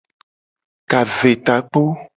Kavetakpo.